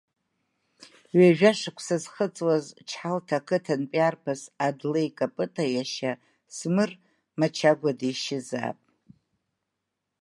Ҩажәа шықәса зхыҵуаз, Чҳалҭа ақыҭантәи арԥыс Адлеи Капыта иашьа Смыр Мачагәа дишьызаап.